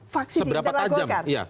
faksi di internal golkar